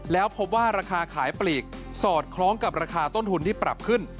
แล้วพบว่าราคาขายปลีกสอดคล้องกับราคาต้นทุนที่ปรับขึ้น